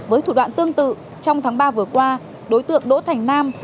với thủ đoạn tương tự trong tháng ba vừa qua đối tượng đỗ thành nam